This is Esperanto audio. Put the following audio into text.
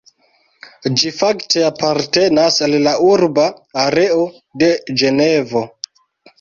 Ĝi fakte apartenas al la urba areo de Ĝenevo.